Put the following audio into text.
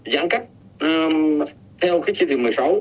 giãn cách theo khí chiến thị một mươi sáu